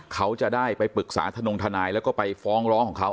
เขาจะได้ไปปรึกษาธนงทนายแล้วก็ไปฟ้องร้องของเขา